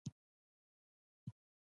دوى ورته پارک وايه.